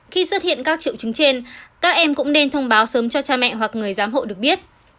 khi xuất hiện các triệu chứng trên các em cũng nên thông báo sớm cho cha mẹ hoặc người giám hộ được biết